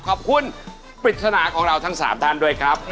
ขอบคุณปริศนาของเราทั้ง๓ท่านด้วยครับ